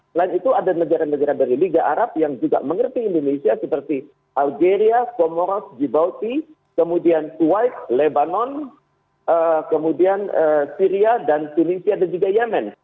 selain itu ada negara negara dari liga arab yang juga mengerti indonesia seperti algeria comoros jibauti kemudian kuwait lebanon kemudian syria dan tunisia dan juga yemen